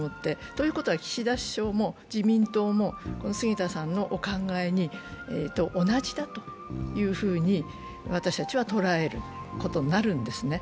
ということは、岸田首相も自民党も杉田さんのお考えに同じだというふうに私たちは捉えることになるんですね。